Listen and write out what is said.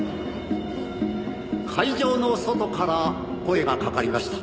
「会場の外から声がかかりました」